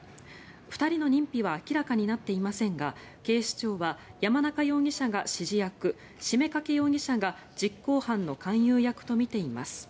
２人の認否は明らかになっていませんが警視庁は、山中容疑者が指示役七五三掛容疑者が実行犯の勧誘役とみています。